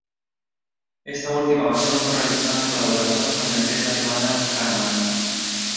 Esta última versión fue realizada en colaboración con la empresa alemana Karmann.